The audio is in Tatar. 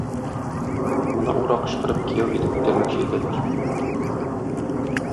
Моны ура кычкырып кияү итеп күтәрмәкче итәләр.